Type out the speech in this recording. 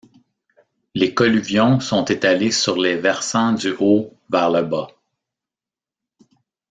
Les colluvions sont étalées sur les versants du haut vers le bas.